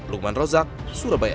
lukman rozak surabaya